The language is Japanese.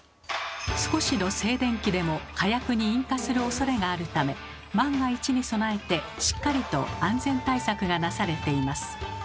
少しの静電気でも火薬に引火するおそれがあるため万が一に備えてしっかりと安全対策がなされています。